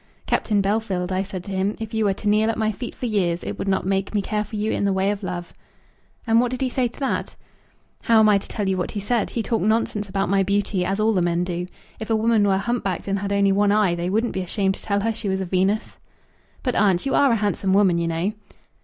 'Captain Bellfield,' I said to him, 'if you were to kneel at my feet for years, it would not make me care for you in the way of love.'" "And what did he say to that?" "How am I to tell you what he said? He talked nonsense about my beauty, as all the men do. If a woman were hump backed, and had only one eye, they wouldn't be ashamed to tell her she was a Venus." "But, aunt, you are a handsome woman, you know."